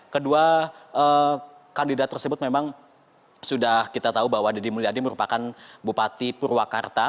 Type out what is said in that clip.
kedua kandidat tersebut memang sudah kita tahu bahwa deddy mulyadi merupakan bupati purwakarta